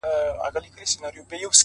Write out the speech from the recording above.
كبرجن وو ځان يې غوښـتى پــه دنـيـا كي!!